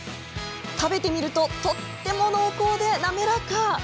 食べてみるととっても濃厚で滑らか。